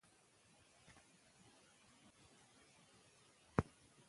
د هېواد په ټولو ښارونو کې ګډوډي خپره شوې وه.